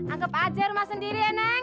anggap aja rumah sendiri ya neng